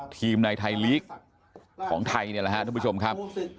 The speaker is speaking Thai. ในไทยลีกของไทยเนี่ยแหละครับท่านผู้ชมครับ